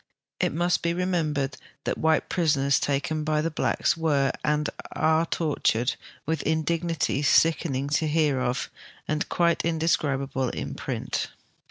It must ho retnomhered that white prisoners taken by the blacks were and aro tortured with indignities sickening to hear of and quite indescribable in prittt.